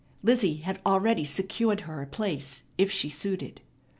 Lizzie had already secured her a place if she suited.